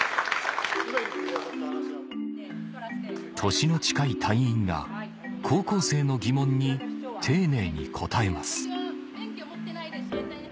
年の近い隊員が高校生の疑問に丁寧に答えます